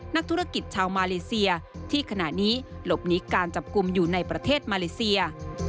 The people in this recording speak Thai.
นักธุรกิจชาวมาเลเซียที่ขณะนี้หลบหนีการจับกลุ่มอยู่ในประเทศมาเลเซีย